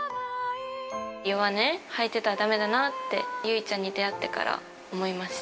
弱音吐いてたらだめだなって、優生ちゃんに出会ってから思いました。